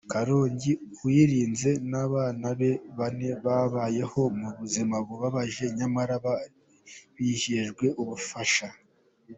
Karongi: Uwirinze n’ abana be bane babayeho mu buzima bubabaje nyamara bari bijejwe ubufasha.